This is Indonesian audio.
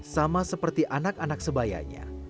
sama seperti anak anak sebayanya